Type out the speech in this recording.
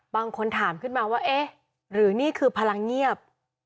บางคนถามขึ้นมาว่าเอ๊ะหรือนี่คือพลังเงียบ